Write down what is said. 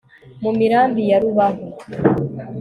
mu mirambi ya rubaho